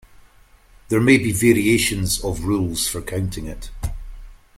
There may be variations of rules for counting it.